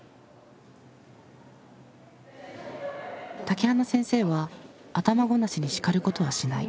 竹花先生は頭ごなしに叱ることはしない。